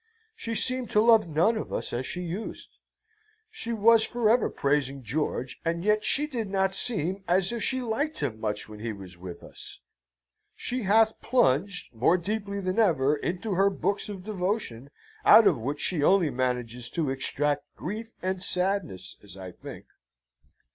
She seemed to love none of us as she used. She was for ever praising George, and yet she did not seem as if she liked him much when he was with us. She hath plunged, more deeply than ever, into her books of devotion, out of which she only manages to extract grief and sadness, as I think.